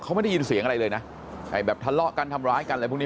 เขาไม่ได้ยินเสียงอะไรเลยนะไอ้แบบทะเลาะกันทำร้ายกันอะไรพวกนี้